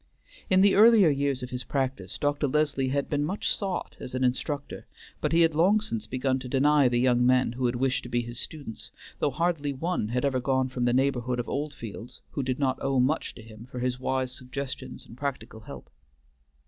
In the earlier years of his practice Dr. Leslie had been much sought as an instructor, but he had long since begun to deny the young men who had wished to be his students, though hardly one had ever gone from the neighborhood of Oldfields who did not owe much to him for his wise suggestions and practical help.